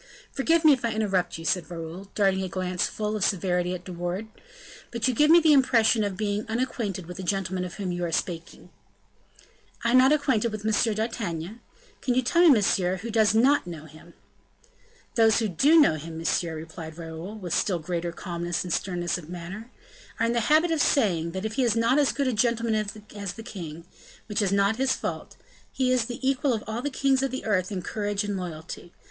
"Forgive me if I interrupt you," said Raoul, darting a glance full of severity at De Wardes; "but you give me the impression of being unacquainted with the gentleman of whom you are speaking." "I not acquainted with M. d'Artagnan? Can you tell me, monsieur, who does not know him?" "Those who do know him, monsieur," replied Raoul, with still greater calmness and sternness of manner, "are in the habit of saying, that if he is not as good a gentleman as the king which is not his fault he is the equal of all the kings of the earth in courage and loyalty.